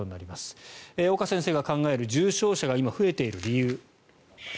岡先生が考える重症者が今増えている理由。